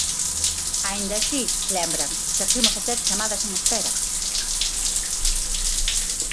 Aínda así, lembran, "seguimos a ter chamadas en espera".